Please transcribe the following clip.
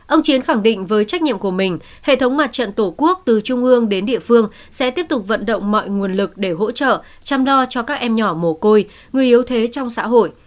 ông chiến khẳng định với trách nhiệm của mình hệ thống mặt trận tổ quốc từ trung ương đến địa phương sẽ tiếp tục vận động mọi nguồn lực để hỗ trợ chăm lo cho các em nhỏ mồ côi người yếu thế trong xã hội